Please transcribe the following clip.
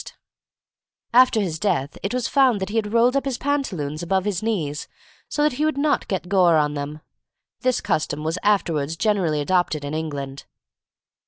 ] After his death it was found that he had rolled up his pantaloons above his knees, so that he would not get gore on them. This custom was afterwards generally adopted in England.